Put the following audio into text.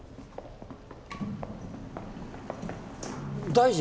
・大臣。